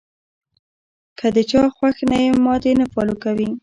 کۀ د چا خوښ نۀ يم ما دې نۀ فالو کوي -